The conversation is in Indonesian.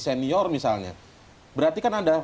senior misalnya berarti kan ada